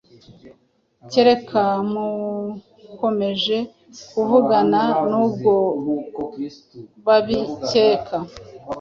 kereka mukomeje kuvugana nibwo babicyeka